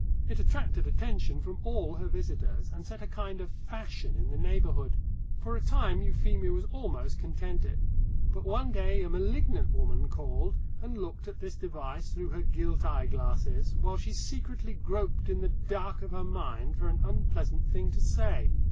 It attracted attention from all her visitors, and set a kind of fashion in the neighbourhood. For a time Euphemia was almost contented. But one day a malignant woman called, and looked at this device through her gilt eye glasses, while she secretly groped in the dark of her mind for an unpleasant thing to say.